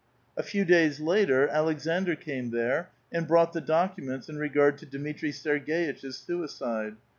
A few days later Aleksandr came there, and brought the documents in regard to Dmitri Serg6itch*s suicide.